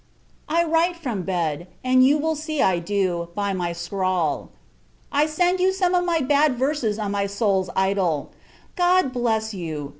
I write from bed; and you will see I do, by my scrawl. I send you some of my bad Verses on my soul's Idol. God bless you!